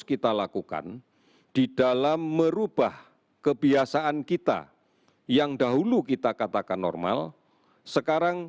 kita lakukan di dalam merubah kebiasaan kita yang dahulu kita katakan normal sekarang